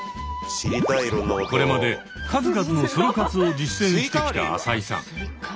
これまで数々のソロ活を実践してきた朝井さん。